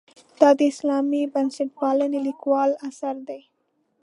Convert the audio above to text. دا د اسلامي بنسټپالنې لیکوال اثر دی.